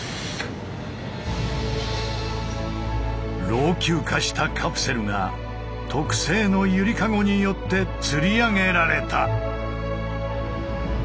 老朽化したカプセルが特製の「ゆりかご」によって吊り上げられた。